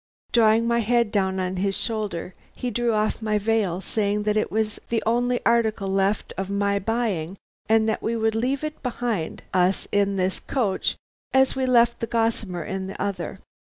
Drawing my head down on his shoulder, he drew off my veil, saying that it was the only article left of my own buying, and that we would leave it behind us in this coach as we had left the gossamer in the other.